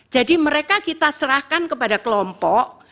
jadi mereka kita serahkan kepada kelompok